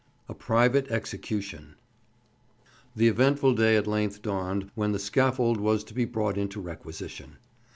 A PRIVATE EXECUTION. THE eventful day at length dawned when the scaffold was to be brought into requisition.